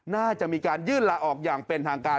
น่าจะมีการยื่นลาออกอย่างเป็นทางการ